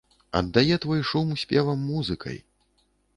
Аддае твой шум спевам-музыкай.